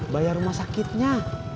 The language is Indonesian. bayar rumah sakitnya